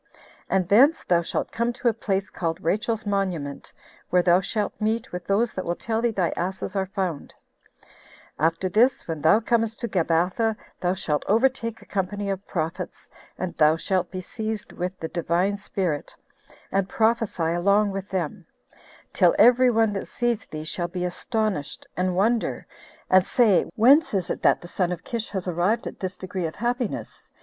And thence thou shalt come to a place called Rachel's Monument, where thou shalt meet with those that will tell thee thy asses are found; after this, when thou comest to Gabatha, thou shalt overtake a company of prophets, and thou shalt be seized with the Divine Spirit, 8 and prophesy along with them, till every one that sees thee shall be astonished, and wonder, and say, Whence is it that the son of Kish has arrived at this degree of happiness?